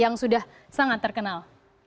yang sudah sangat terkenal